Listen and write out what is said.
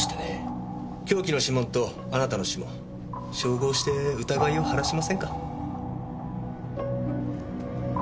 凶器の指紋とあなたの指紋照合して疑いを晴らしませんか？